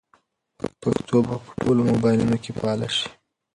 پښتو به په ټولو موبایلونو کې فعاله شي.